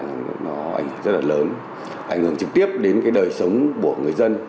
nó ảnh hưởng rất là lớn ảnh hưởng trực tiếp đến đời sống của người dân